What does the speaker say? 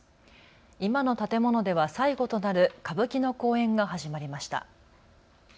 今の建物では最後となる歌舞伎の公演が始まりました。